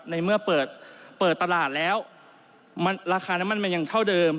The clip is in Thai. ในเมื่อเปิดตลาดแล้วราคาน้ำมันมันยังเท่าเดิม